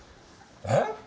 えっ？